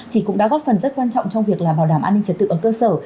thì cũng đã góp phần rất quan trọng trong việc là bảo đảm an ninh trật tự ở cơ sở